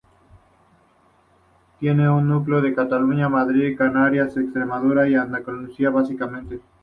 Tiene núcleos en Cataluña, Madrid, Canarias, Extremadura y Andalucía básicamente.